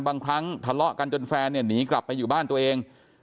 บางครั้งทะเลาะกันจนแฟนเนี่ยหนีกลับไปอยู่บ้านตัวเอง